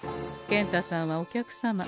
健太さんはお客様。